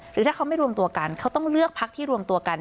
หรือถ้าเขาไม่รวมตัวกันเขาต้องเลือกพักที่รวมตัวกัน